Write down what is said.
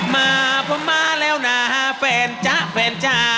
มาเพราะมาแล้วนะแฟนจ๊ะแฟนจ๊ะ